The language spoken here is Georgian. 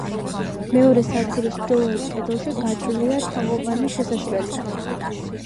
მეორე სართულის ჩრდილოეთ კედელში გაჭრილია თაღოვანი შესასვლელი.